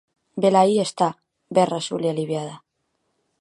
Velaí está, berra Xulia aliviada.